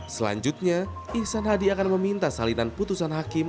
selanjutnya ihsan hadi akan meminta salinan putusan hakim